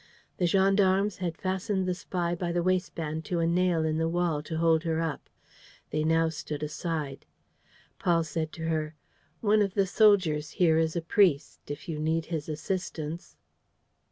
The gendarmes had fastened the spy by the waistband to a nail in the wall, to hold her up. They now stood aside. Paul said to her: "One of the soldiers here is a priest. If you need his assistance.